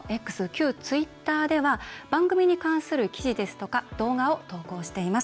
旧ツイッターでは番組に関する記事ですとか動画を投稿しています。